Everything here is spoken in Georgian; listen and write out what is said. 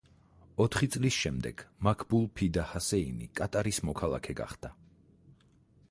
ოთხი წლის შემდეგ მაქბულ ფიდა ჰასეინი კატარის მოქალაქე გახდა.